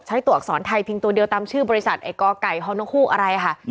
ตัวอักษรไทยเพียงตัวเดียวตามชื่อบริษัทไอ้กไก่ฮนกฮูกอะไรค่ะ